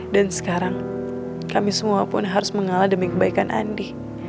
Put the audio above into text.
dan sekarang kami semua pun harus mengalah demi kebaikan andi